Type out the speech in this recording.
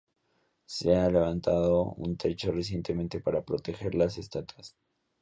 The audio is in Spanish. Se ha levantado un techo recientemente para proteger las estatuas.